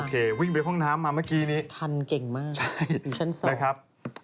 คุณหนุ่มวิ่งไปห้องน้ำมามาเมื่อกี้นี้ครับ